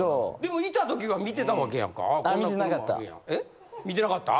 でもいたときは見てたわけやんか。